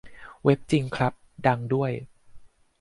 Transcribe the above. เว็บจริงครับ ดังด้วย